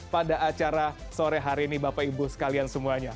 pada acara sore hari ini bapak ibu sekalian semuanya